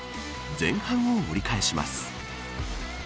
前半を折り返します。